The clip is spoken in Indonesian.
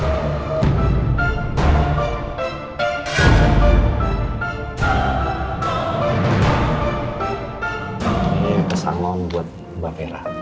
ini kesanmu buat mbak fera